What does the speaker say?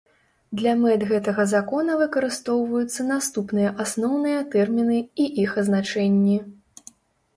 Для мэт гэтага Закона выкарыстоўваюцца наступныя асноўныя тэрмiны i iх азначэннi.